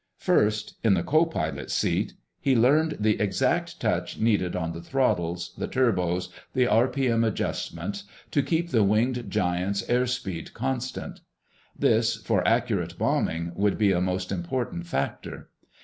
First, in the co pilot's seat, he learned the exact touch needed on the throttles, the turbos, the r.p.m. adjustment, to keep the winged giant's airspeed constant. This, for accurate bombing, would be a most important factor.